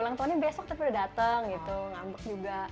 ulang tahunnya besok tapi udah datang gitu